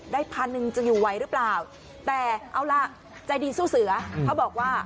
พันหนึ่งจะอยู่ไหวหรือเปล่าแต่เอาล่ะใจดีสู้เสือเขาบอกว่า